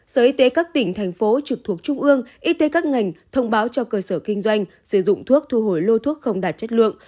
sở y tế các tỉnh thành phố trực thuộc trung ương y tế các ngành thông báo cho cơ sở kinh doanh sử dụng thuốc thu hồi lôi thuốc không đạt chất lượng